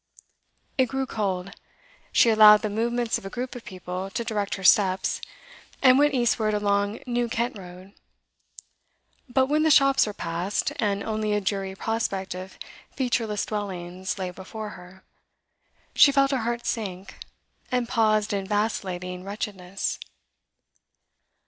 It grew cold. She allowed the movements of a group of people to direct her steps, and went eastward along New Kent Road. But when the shops were past, and only a dreary prospect of featureless dwellings lay before her, she felt her heart sink, and paused in vacillating wretchedness.